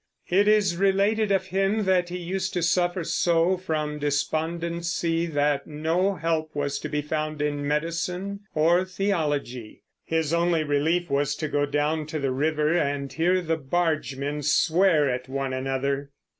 It is related of him that he used to suffer so from despondency that no help was to be found in medicine or theology; his only relief was to go down to the river and hear the bargemen swear at one another.